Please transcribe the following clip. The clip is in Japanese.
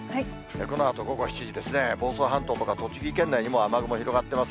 このあと午後７時ですね、房総半島とか栃木県内にも雨雲広がってます。